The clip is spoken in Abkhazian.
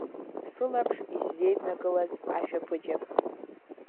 Сылаԥш исзеиднакылаз ашәаԥыџьаԥ.